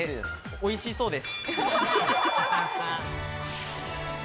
おいしそうです。